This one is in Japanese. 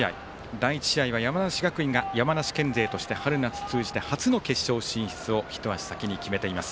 第１試合は山梨学院が山梨県勢として春夏通じて、初の決勝進出を一足先に決めています。